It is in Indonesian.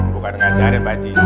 bukan ngajarin pak haji